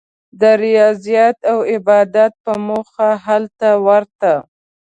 د ریاضت او عبادت په موخه هلته ورته.